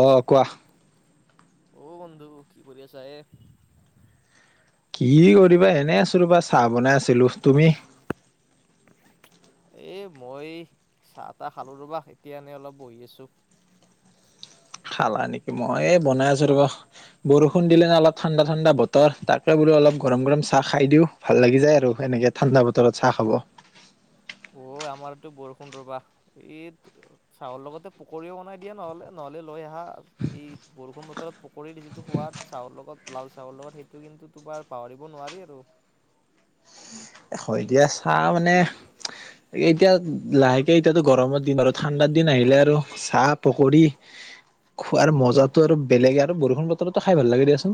অঁ কোৱা অ বন্ধু কি কৰি আছা য়ে কি কৰিবা এনে আছিলো ৰবা চাহ বনাই আছিলো তুমি এ মই চাহ-তাহ খালো ৰ'বা। এতিয়া এনেই অলপ বহি আছো। খালা নেকি মই এই বনাই আছো। ৰবা বৰষুণ দিলে নে অলপ ঠাণ্ডা, ঠাণ্ডা বতৰ তাকে বোলো অলপ গৰম, গৰম চাহ খাই দিও। ভাল লাগি যায় আৰু এনেকে ঠাণ্ডা বতৰত চাহ খাব। অ' আমাৰ টো বৰষুণ ৰবাহ। এই চাউলৰ লগতে পোকৰিও বনাই দিয়া নহলে। নহলে লৈ আহা এই বৰষুণ বতৰত পকৰিৰ যিটো সোৱাদ চাহৰ লগত। লাল চাহৰ লগত সেইটো কিন্তু তোমাৰ পাহৰিব নোৱাৰি আৰু। হয় দিয়া। চাহ মানে এতিয়া লাহেকে এতিয়াতো গৰমৰ দিন আৰু ঠাণ্ডা দিন আহিলে আৰু চাহ, পকৰি খোৱাৰ মজটো আৰু বেলেগে আৰু বৰষুণ বতৰতো খাই ভাল লাগে দিয়াচোন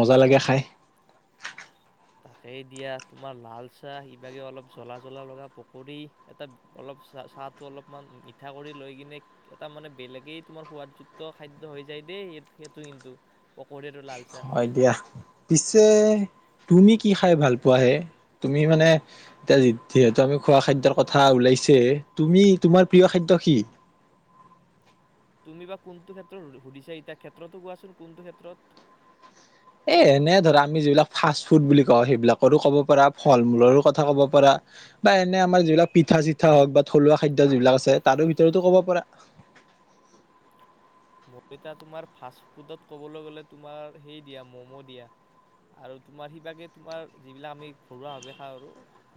মজা লাগে খাই। সেই দিয়া তোমাৰ লাল চাহ ইভাগে অলপ জ্বলা জ্বলা লগা পকৰী এটা অলপ চাহ চাহটো অলপমান মিঠা কৰি লৈ কিনে এটা মানে বেলেগেই তোমাৰ সোৱাদযুক্ত খাদ্য হৈ যায় দেই সেইটো কিন্তু পকৰী আৰু লাল চাহ হয় দিয়া। পিছে তুমি কি খাই ভাল পোৱাহে? তুমি মানে এতিয়া যিহেতু আমি খোৱা খাদ্যৰ কথা ওলাইছে তুমি তোমাৰ প্ৰিয় খাদ্য কি? তুমি বা কোনটো ক্ষেত্ৰত সুধিছা এতিয়া ক্ষেত্ৰতো কোৱাচোন কোনটো ক্ষেত্ৰত। এ এনে ধৰা আমি যিবিলাক ফাষ্টফুড বুলি কওঁ সেইবিলাকৰো কব পাৰা, ফল মূলৰো কথা কব পাৰা। বা এনে আমাৰ যিবিলাক পিঠা-চিঠা হওক বা থলুৱা খাদ্য যিবিলাক আছে তাৰো ভিতৰতো কব পাৰা। ম তোমাৰ ফাষ্ট ফুডত ক'বলৈ গ'লে তোমাৰ সেই দিয়া ম'ম' দিয়া। আৰু তোমাৰ সিবাগে তোমাৰ যিবিলাক আমি ঘৰুৱাভাৱে খাওঁ আৰু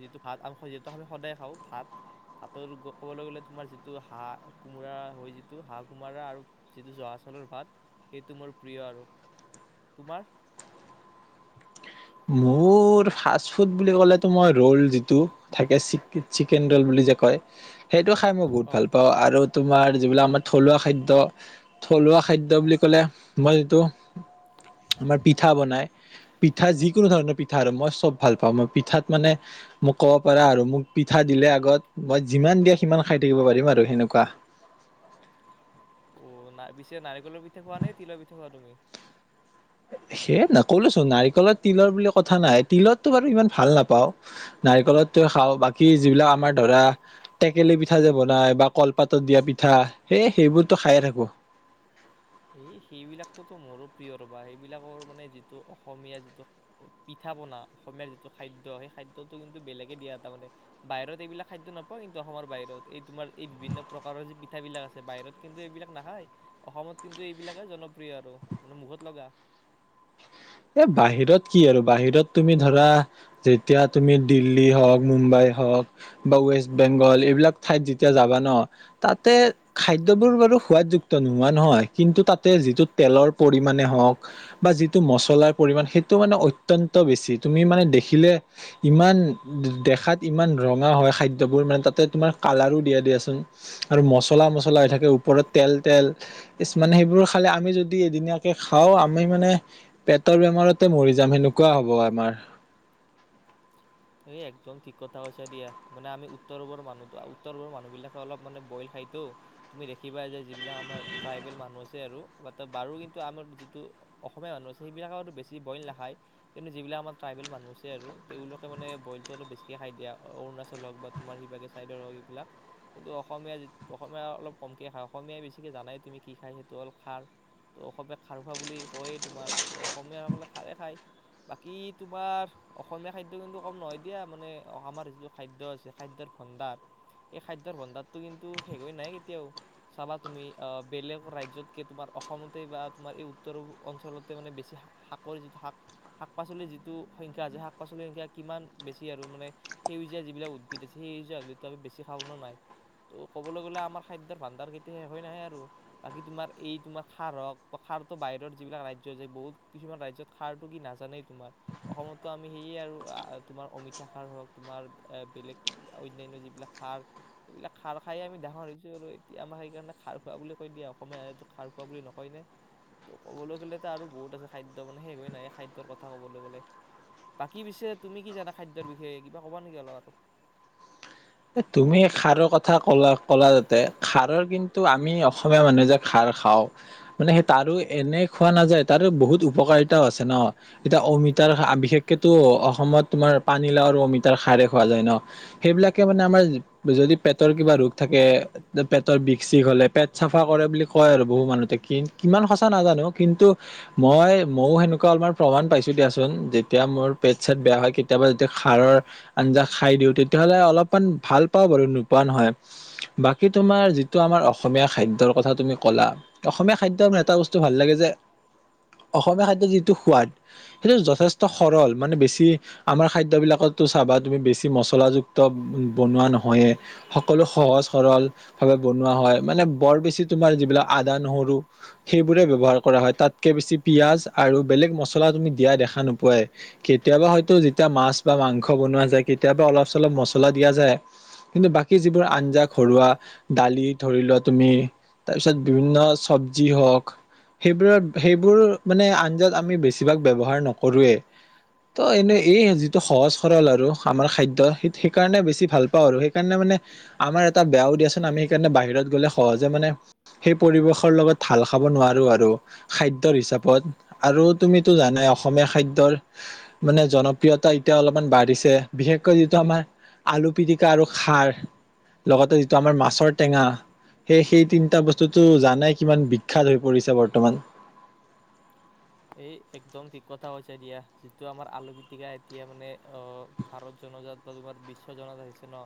যিটো ভাত যি আমি সদায় খাওঁ ভাত ভাতৰ ক'বলৈ গ'লে তোমাৰ যিটো হাঁহ, কোমোৰা হয় যিটো হাঁহ কোমোৰা আৰু যিটো জহা চাউলৰ ভাত সেইটো মোৰ প্ৰিয় আৰু। তোমাৰ? মোৰ ফাষ্ট ফুড বুলি ক'লেতো মই ৰল যিটো থাকে চিকেন ৰ'ল বুলি যে কয় সেইটো খাই মই বহুত অ' ভাল পাওঁ। আৰু তোমাৰ যিবিলাক আমাৰ থলুৱা খাদ্য। থলুৱা খাদ্য বুলি কলে মই যিটো আমাৰ পিঠা বনাই পিঠা যিকোনো ধৰণৰ পিঠা আৰু মই চব ভাল পাওঁ মই পিঠাত মানে মোক ক'ব পাৰা আৰু মোক পিঠা দিলে আগত মই যিমান দিয়া সিমান খাই থাকিব পাৰিম আৰু সেনেকুৱা। অ পিছে নাৰিকলৰ পিঠা খোৱা নে তিলৰ পিঠা খোৱা তুমি সেই ন ক'লোচোন নাৰিকলত তিলৰ বুলি কথা নাই তিলতটো বাৰু ইমান ভাল নাপাও নাৰিকলত খাওঁ বাকী যিবিলাক আমাৰ ধৰা টেকেলি পিঠা যে বনাই বা কলপাতত দিয়া পিঠা সেই সেইবোৰতো খায়ে থাকো। এই সেইবিলাকো মোৰো প্ৰিয় ৰবা সেইবিলাকৰ মানে যিটো অসমীয়া যিটো পিঠা পনা অসমাৰ যিটো খাদ্য সেই খাদ্্যটো কিন্তু বেলেগে দিয়া তাৰ মানে বাহিৰত এইবিলাক খাদ্য নাপাওঁ কিন্তু অসমৰ বাহিৰত এই তোমাৰ এই বিভিন্ন প্ৰকাৰৰ যি পিঠ বিিলাক আছে বাহিৰত কিন্তু এইবিলাক নাখায় অসমত [inaudible] [inaudible] [inaudible] কিন্তু এইবিলাকে জনপ্ৰিয় আৰু মানে মুখত লগা [inaudible] এ বাহিৰত কি আৰু বাহিৰত তুমি ধৰা যেতিয়া তুমি দিল্লী হওঁক মুম্বাই হওঁক বা ৱেষ্ট বেংগল এইবিলাক ঠাইত যেতিয়া যাবা ন তাতে খাদ্যবোৰ বাৰু সোৱাদযুক্ত নোহোৱা নহয় কিন্তু তাতে যিটো তেলৰ পৰিমাণে হওঁক বা যিটো মছলা মচল পৰি সেইটো মানে অত্য়ন্ত বেছি তুমি মানে দেখিলে ইমান দেখাত ইমান ৰঙা হয় খাদ্যবোৰ মানে তাতে তোমাৰ কালাৰো দিয়া দিয়াচোন আৰু মছলা মচলা হৈ থাকে ওপৰত তেল তেল মানে সেইবোৰ খালে আমি যদি এদিনীয়াকে খাওঁ আমি মানে পেটৰ বেমাৰতে মৰি যাম সেনেকুৱা হ'ব আমাৰ এই একদম ঠিক কথা কৈছ দিয়াানে আমি উত্তৰ পূবৰ মানুহতো উত্তৰবৰ মানুহবিলাকে অলপ মানে বইল খাইতো তুমি দেখিবা যে [inaudible] এইবাক আমাৰ ট্ৰব মানু আছে [inaudible] বাৰু কিন্তু আমাৰ যিটো অসমীয়া মানুহ আছে সেইবিলাকতো বেছি বইল নাখায় কিন্তু যিবিলাক আমাৰ ট্ৰাইবেল মানুহ আছে আৰু তেওঁলোক। মানে বইলটো অলপ বেছিকে খাই দিয়া অৰুণাচল হওক বা তোমাৰ সিভাগী চাইডৰ হওক এইবিলাক কিন্তু অসমীয়া য অসমীয়া অলপ কমকে খায় অসমীয়াই বেছিকে জানাই তুমি কি খায় সেইটো হ'ল খাৰ ত' অসমীয়া খাৰ খোৱা বুলি কয়েই তোমাৰ এইটো অসমীয়াসকলে খাৰেই খায় বাকী তোমাৰ অসমীয়া। ম নহয় দিয়া মানে আমাৰ যিটো খাদ্যয় আছে খাদ্্যৰ ভণ্ডাৰ এই খাদ্যৰ ভণ্ডাৰটো কিন্তু শেষ হৈ নাই কেতিয়াও চাবা তুমি অ বেলেগ ৰাজয়তকে তোমাৰ অসমতে বা তোমাৰ এই উত্তৰ অঞ্চলতে মানে বেছি শাকৰ যিটো শাক শাক পাচলিৰ যিটো সংখ্য্া আছে শাক পাচলিৰ সংা [inaudible] কিমান বেছি আৰু মানে সেউজীয়া যিবিলাক উদ্ভিদ আছে সেউজীয়া হো আমি বেছি খাও ন নাই ত' ক'বলৈ গ'লে আমাৰ খাদ্যৰ ভাণ্ডাৰ কেতিয়া শেষ হৈ নাই আৰু বাকী তোমাৰ এই তোমাৰ খাৰ হওক বা খাৰো বাহিৰৰ যিবিলাক ৰাজ্য় যে বহুত কিছুমান ৰাজয়ত খাৰটো কি নাজানেই তোমাৰ অসমতো আমি সেয়ে আৰু - - আৰু তোমাৰ অমিতা খাৰ হওক তোমাৰ এ বেলেগ অন্যান্য যিবিলাক খাৰ এইবিলাক খাৰ খায়ে আমি ডাঙৰ হৈছো আৰু এতিয়া আমাৰ সেইকাৰণে খাৰ খোৱা বুলি কৈ দিয়ে অসমীয়াো খাৰ খোৱা বুলি নকয় ন ত' ক'বলৈ গ'লেতো আৰু বহুত আছে খাদ্য মানে সেষ হৈ নাই খাদ্যৰ কথা ক'বলৈ গ'লে বাকী পিছে - - তুমি কি জানা খাদ্যৰ বিষয়ে কিবা কবা নেকি অলপ আৰু? তুমি খাৰৰ কথা কলা কলা যাতে খাৰৰ কিন্তু আমি অসমীয়া মানুহে যে খাৰ খাও মানে সেই তাৰো এনেই খোৱা নাযায় তাৰো বহুত উপকাৰিতাও আছে ন এতিয়া অমিতাৰ বিশেষকেতো অসমত তোমাৰ পানীলাও আৰু অমিতাৰ খাৰ খোৱা যায় ন সেইবিলাকে আমাৰ যদি পেটৰ কিবা ৰোগ থাকে পেটৰ বিষ চষ হলে পেট চাফা কৰে বুলি কয় আৰু বহু মানুহতে কি কিমান সঁচা নাজানো কিন্তু মই ময়ও সেনেকুৱা অলাৰ প্ৰমাণ পাইছো। দিয়াচোন যেতিয়া মোৰ পেট চেট বেয়া হয় কেতিয়াবা যেতিয়া সাৰৰ আঞ্জা খাই দিওঁ তেতিয়াহ'লে অলপ অকমান ভাল পাওঁ বাৰু নোপোৱা নহয় বাকী তোমাৰ যিটো আমাৰ অসমীয়া খাদ্যৰ কথা তুমি ক'লা অসমীয়া খাদ্য ম এটা বস্তু ভাল লাগে যে অসমীয়া খাদ্যৰ যিটো সোৱাদ সেইটো যথেষ্ট সৰল মানে বেছি আমাৰ খাদ্য বলাকতো চাবা তুমি বেছি মচলাযুক্ত বনোৱা নহয়ে সকলো সহজ সৰল ভাৱে বনোৱা হয় মানে বৰ বেছি তোমাৰ যিবিলাক আদা নহৰু সেইবোৰে ব্য়ৱহাৰ কৰা হয় তাতকে বেছি পিয়াজ আৰু বেলেগ মছলা তুমি দিয়া দেখা নোপাই কেতিয়াবা হয়তো যেতিয়া মাছ বা মাংস বনোৱা যায় কেতিয়াবা অলপ চলপ মছলা। কিন্তু বাকী যিবোৰ আঞ্জা ঘৰুৱা দালি ধৰিলোৱা তুমি বিভিন্ন শৱজী হওক সেইবোৰ আঞ্জাত আমি বেছিভাগ ব্যৱহাৰ নকৰোৱে। ত এনে এই যিটো সহজ সৰল আৰু আমাৰ খাদ্য সেইটো সেইকাৰণে বেছি ভাল পাওঁ আৰু সেইকাৰণে মানে আমাৰ এটা বেয়া উদিয়চন আমি সেইকাৰণে বাহিৰত গ'লে সহজে মানে সেই পৰিৱেশৰ লগত হাল খাব নোৱাৰো আৰু খাদ্যৰ হিচাপত আৰু তুমিতো জানাই অসমীয়া খাদ্যৰ মানে জনপ্ৰিয়তা এতিয়া অলপমান বাঢ়িছে বিশেষকৈ যিটো আমাৰ আলু পিটিকা আৰু খাৰ লগতে যিটো আমাৰ মাছৰ টেঙা সেই সেই তিনিটা বস্তুটো জানাই কিমান বিখ্যাত হৈ পৰিছে বৰ্তমান। এই একদম ঠিক কথা কৈছ দিয়া যিটো আমাৰ আলু পিতিকাা এতিয়া মানে অ ভাৰত জনজাত বা তোমাৰ বিশ্ব জনজাত হৈছে ন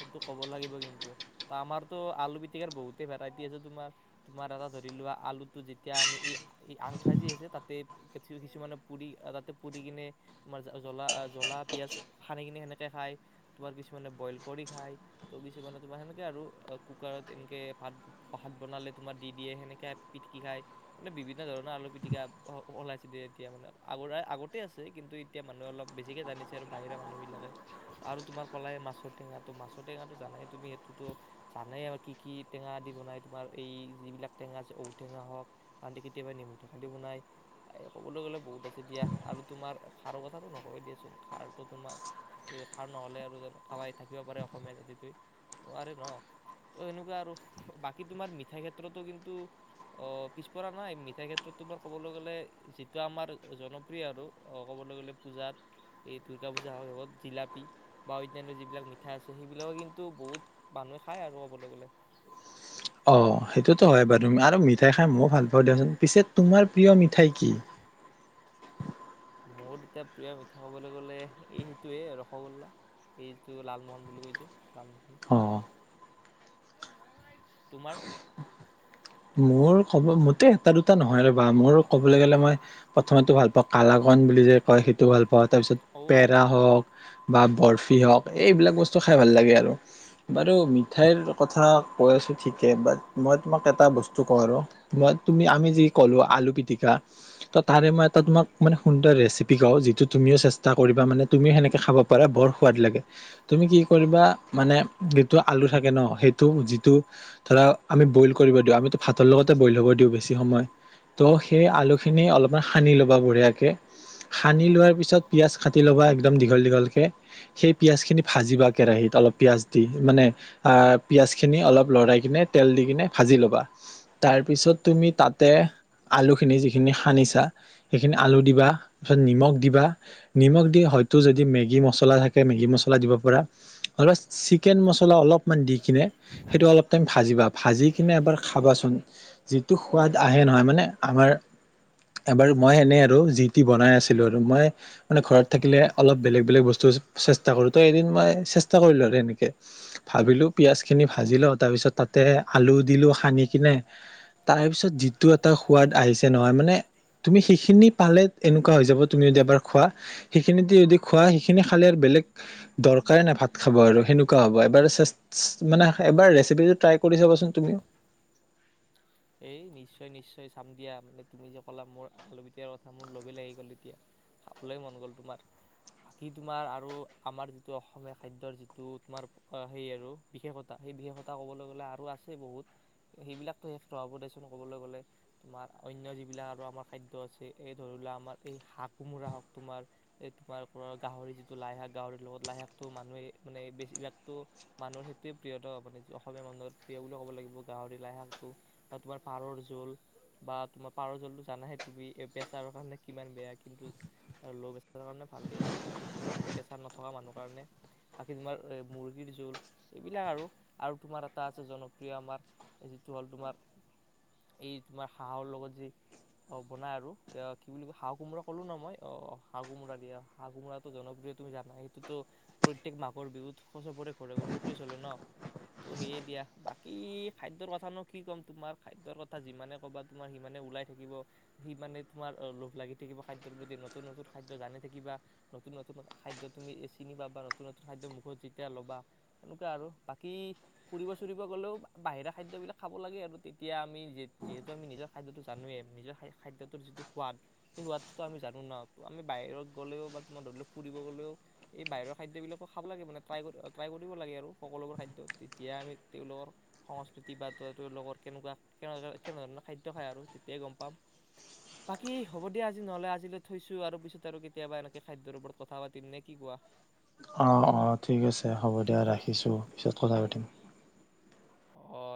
সেইটো ক'ব লাগিব কিন্তু ত আমাৰতো আলু পিতিকাৰাৰ বহুতেই ভেৰাইটি আছে তোমাৰ তোমাৰ এটা ধৰি লোৱা আলুটো যেতিয়া আমি - - এই আংঠা যি আছে তাত - - টৈত কিছুমানে পুৰি তাতে পুৰি কিনে তোমাৰ জলা জলা পিয়াজ সানি কিনে সেনেকে খায়। তোমাৰ কিছুমানে বইল কৰি খায়। তো কিছুমানে তোমাৰ সেনেকে আৰু কুকাৰত এনকে ভাত ভাত বনালে তোমাৰ দি দিয়ে সেনেকে পিটকি খায় মানে বিভিন্ন ধৰণৰ আলু পিটিকা অলপ ওলাইছে দিয়া এতিয়া মানে আগৰে আগতে আছে। কিন্তু এতিয়া মানুহে অলপ বেছিকৈ জানিছে, আৰু বাহিৰা মানুহবিলাকে আৰু তোমাৰ ক'লাই মাছৰ টেঙাটো। মাছৰ টেঙাটো জানাই তুমি সেইটোতো জানেই আৰু কি কি টেঙা দি বনাই। তোমাৰ এই যিবিলাক টেঙা আছে ঔ টেঙা হওঁক নহলে কেতিয়াবা নেমু টেঙা দি বনায়। এ ক'বলৈ গ'লে বহুত আছে দিয়া। আৰু তোমাৰ খাৰৰ কথাটো নকওঁয়ে দিয়াচোন। খাৰটো তোমাৰ খাৰ নহলে আৰু খাবাই থাকিব পাৰে। অসমীয়া জাতিটোৱে নোৱাৰে ন? ত সেনেকুৱা আৰু বাকী তোমাৰ মিঠাই ক্ষেত্ৰতো কিন্তু অ পিছপৰা নাই। মিঠাই ক্ষেত্ৰত তোমাৰ ক'বলৈ গলে যিটো আমাৰ জনপ্ৰিয় আৰু ক'বলৈ গলে পূজাত। এই দুূৰ্গা পূজা সময়ত জিলাপি বা অন্যান্য যিবিলাক মিঠা আছে। সেইবিলাকে কিন্তু বহুত মানুহে খায় আৰু ক'বলৈ গ'লে। অ সেইটোতো হয় বাৰু আৰু মিঠাই খাই ময়ো ভাল পাওঁ দিয়চোন। পিছে তোমাৰ প্ৰিয় মিঠাই কি? মোৰ এতিয়া প্ৰিয় মিঠা কবলৈ গলে এই সিটোৱে ৰসগোল্লা এই যিটো লালমোহন বুলি ক'য় সেই টো। লালমোহন? অ তোমাৰ? মোৰ কব মোতে এটা দুটা নহয় ৰবা মোৰ ক'বলৈ গ'লে মই প্ৰথমতে ভাল পাওঁ কালাকন বুলি যে।। হয় সেইটো ভাল পাওঁ, তাৰ পিছত পেৰা অ' হওঁক। বা বৰফি হওঁক, এইবিলাক বস্তু খাই ভাল লাগে আৰু। বাৰু মিঠাইৰ কথা কৈ আছোঁ ঠিকে, বাট মই তোমাক এটা বস্তু। কও আৰু মই তুমি আমি যি ক'লো আলু পিতিকা ত' তাৰে মই এটা তোমাক মানে সুন্দৰ ৰেচিপি কওঁ। যিটো তুমিও চেষ্টা কৰিবা মানে তুমিও হেনেকে খাব পাৰা, বৰ সোৱাদ লাগে। তুমি কি কৰিবা, মানে যিটো আলু থাকে ন? সেইটো যিটো ধৰা আমি বইল কৰিব দিওঁ। আমিটো ভাতৰ লগতে বইল হ'ব দিওঁ বেছি সময়। ত' সেই আলুখিনি অলপমান সানি ল'বা বঢ়িয়াকে, সানি লোৱাৰ পিছত পিঁয়াজ কাটি ল'বা একদম দীঘল দীঘলকে। সেই পিঁয়াজখিনি ভাজিবা কেৰাহীত অলপ পিঁয়াজ দি মানে পিঁয়াজখিনি অলপ লৰাই কানে তেল দি কেনে ভাজি ল'বা। তাৰপিছত তুমি তাতে আলুখিনি যিখিনি সানিছা সেইখিনি আলু দিবা, তাৰপিছত নিমখ দিবা নিমখ দি হয়তো যদি মেগি মচলা থাকে মেগি মছলা দিব পাৰা। নহলে চিকেন মছলা অলপমান দি কিনে সেইটো অলপ টাইম ভাজিবা। ভাজি কিনে এবাৰ খাবাচোন, যিটো সোৱাদ আহে নহয় মানে আমাৰ এবাৰ মই এনে আৰু যি টি বনাই আছিলো। আৰু মই মানে ঘৰত থাকিলে অলপ বেলেগ বেলেগ বস্তু চেষ্টা কৰো। ত' এদিন মই চেষ্টা কৰিলো আৰু এনেকে। ভাবিলো পিয়াজ খিনি ভাজি লওঁ তাৰ পিছত তাতে আলু দিলো। সানি কিনে তাৰপিছত যিটো এটা সোৱাদ আহিছে নহয় মানে তুমি সেইখিনি পালে এনেকুৱা হৈ যাব তুমি যদি এবাৰ খোৱা সেইখিনি দি যদি খোৱা। সেইখিনি খালে বেলেগ দৰকাৰে নাই ভাত খাব আৰু সেনেকুৱা হ'ব এবাৰ মানে এবাৰ ৰেচিপিটো ট্ৰাই কৰি চাবাচোন তুমি। এই নিশ্চয় নিশ্চয় চাম দিয়া, মানে তুমি যে ক'লা মোৰ আলুপি টিকাৰ কথা মোৰ লোভেই লাগি গ'ল এতিয়া। খাবলৈ মন গ'ল তোমাৰ বাকী তোমাৰ আৰু আমাৰ যিটো অসমীয়া খাদ্যৰ যিটো তোমাৰ সেই আৰু বিশেষতা, সেই বিশেষতা কবলৈ গ'লে আৰু আছে বহুত সেইবিলাকটো শেষ। [unintelligible] দেচোন কবলৈ গ'লে, তোমাৰ অন্য যিবিলাক আৰু আমাৰ খাদ্য আছে। এই ধৰি লোৱা আমাৰ এই হাঁহ-কোমোৰা হওঁক তোমাৰ। এই তোমাৰ গাহৰি যিটো লাই শাক গাহৰিৰ লগত লাই শাকটো মানুহে এনে বেছিভাগটো মানুহৰ সেইটোৱে প্ৰিয় ন? অসমীয়া মানুহৰ প্ৰিয় বুলি ক'ব লাগিব গাহৰি লাই শাকটো। বা তোমাৰ পাৰৰ জোল বা তোমাৰ পাৰৰ জোলটো জানাই তুমি প্ৰেছাৰৰ কাৰণে কিমান বেয়া, কিন্তু ল' প্ৰেছাৰৰ কাৰণে ভাল দিয়াচোন। আৰু মানে প্ৰেছাৰ নথকা মানুহৰ কাৰণে, বাকী তোমাৰ মুৰ্গীৰ জোল এইবিলাক আৰু আৰু তোমাৰ এটা আছে জনপ্ৰিয় আমাৰ যিটো হ'ল তোমাৰ এই তোমাৰ হাঁহৰ লগত যি অ' বনাই আৰু, কি বুলি কয়? হাঁহ কোমোৰা কলো ন মই? অ' হাঁহ কোমোৰা দিয়া হাঁহ কোমোৰাটো জনপ্ৰিয় তুমি জানা সেইটোতো প্ৰত্যেক মাঘৰ বিহুত চবৰে ঘৰে ঘৰে সেইটোয়ে চলে ন? ত' সেয়ে দিয়া বাকী খাদ্যৰ কথানো কি ক'ম। তোমাৰ খাদ্যৰ কথা যিমানে কবা তোমাৰ সিমানে ওলাই থাকিব। সিমানে তোমাৰ অ' লোভ লাগি থাকিব খাদ্যৰ প্ৰতি। নতুন নতুন খাদ্য জানি থাকিবা, নতুন নতুন খাদ্য তুমি চিনিবা নতুন নতুন খাদ্য মুখত যেতিয়া ল'বা। সেনেকুৱা আৰু বাকী ফুৰিব-চুৰিব গ'লেও বাহিৰা খাদ্যবিলাক খাব লাগে আৰু। তেতিয়া আমি যি-যিহেতু আমি নিজৰ খাদ্যটো জানোৱেই, নিজৰ খাদ্যটোৰ যিটো সোৱাদ সেই সোৱাদটোতো আমি জানো ন? আমি বাহিৰত গ'লেও, বা তোমাৰ ধৰি লওক ফুৰিব গ'লেও এই বাহিৰৰ খাদ্যবিলাকো খাব লাগে। মানে ট্ৰাই কৰি ট্ৰাই কৰিব লাগে আৰু সকলোবোৰ খাদ্য। তেতিয়া আমি তেওঁলোকৰ সংস্কৃতি বা তেওঁলোকৰ কেনেকুৱা কেনেধৰণৰ খাদ্য খায় আৰু তেতিয়াহে গম পাম। বাকী, হ'ব দিয়া আজি নহলে আজিলৈ থৈছো আৰু পিছত আৰু কেতিয়াবা এনেকে খাদ্যৰ ওপৰত কথা পাতিম। নে কি কোৱা? অঁ, ঠিক আছে হ'ব দিয়া ৰাখিছোঁ, পিছত কথা পাতিম। অ